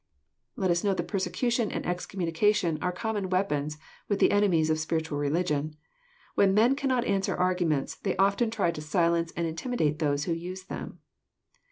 Let us note that persecution and excommunication are com mon weapons with the enemies of spiritual religion. When men cannot answer arguments, they often try to silence and in timidate those who use them.